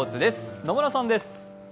野村さんです。